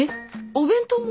お弁当も？